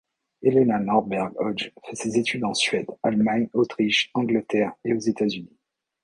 Helena Norberg-Hodge fait ses études en Suède, Allemagne, Autriche, Angleterre et aux États-Unis.